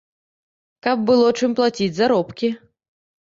Каб было чым плаціць заробкі.